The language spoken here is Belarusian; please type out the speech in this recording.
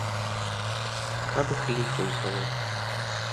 Каб іх ліха узяло!